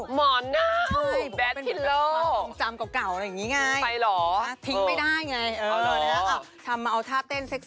หมอนเน่าแบทพิโล่